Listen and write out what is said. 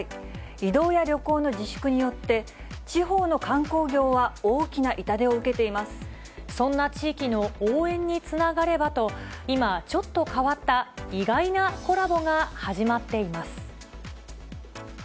移動や旅行の自粛によって、地方の観光業は、そんな地域の応援につながればと、今、ちょっと変わった意外なコラボが始まっています。